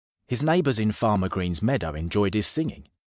His neighbors in Farmer Green's meadow enjoyed his singing.